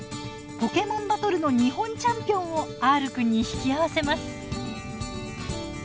ポケモンバトルの日本チャンピオンをＲくんに引き合わせます。